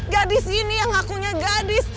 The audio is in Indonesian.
gadis ini yang akunya gadis